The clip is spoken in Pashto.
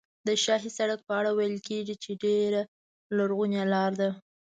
د شاهي سړک په اړه ویل کېږي چې ډېره لرغونې لاره ده.